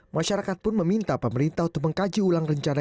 masyarakat pun meminta pemerintah untuk mengkaji ulang rencana